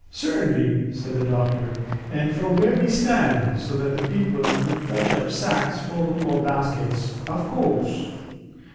"Certainly," said the doctor. "And from where we stand, so that the people could fetch up sacks full or baskets." "Of course."